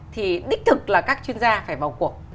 thì đích thực là các chuyên gia phải vào cuộc